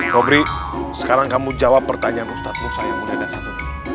kobri sekarang kamu jawab pertanyaan ustadz lusa yang udah ada satu